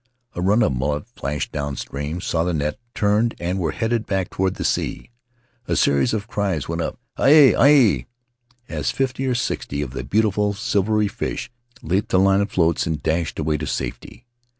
A run of mullet flashed downstream, saw the net, turned, and were headed back toward the sea. A series of cries went up —" Aue! Aue!" — as fifty or sixty of the beautiful silvery fish leaped the line of floats and dashed away to safety.